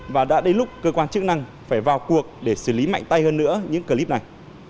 và đã đến lúc cơ quan chức năng phải vào cuộc để xử lý mạnh tay hơn nữa những clip này